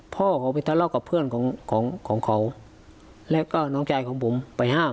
พ่อเขาไปทะเลาะกับเพื่อนของของเขาแล้วก็น้องชายของผมไปห้าม